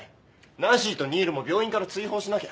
ナンシーと新琉も病院から追放しなきゃ